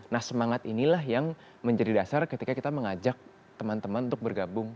nah semangat inilah yang menjadi dasar ketika kita mengajak teman teman untuk bergabung